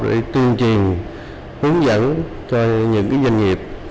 để tuyên truyền hướng dẫn cho những doanh nghiệp